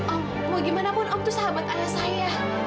om mau gimana pun om tuh sahabat ayah saya